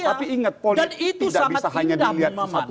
tapi ingat polisi tidak bisa hanya dilihat satu tambah satu